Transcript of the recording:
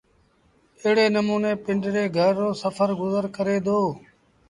ايڙي نموٚني پنڊري گھر رو سڦر گزر ڪري دو